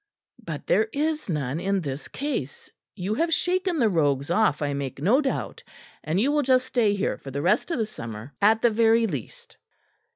But there is none in this case you have shaken the rogues off, I make no doubt; and you will just stay here for the rest of the summer at the very least."